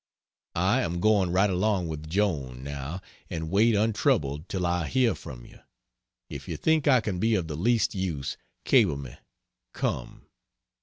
...................... I am going right along with Joan, now, and wait untroubled till I hear from you. If you think I can be of the least use, cable me "Come."